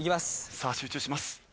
さあ集中します。